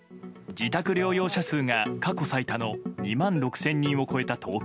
自宅療養者数が過去最多の２万６０００人を超えた東京。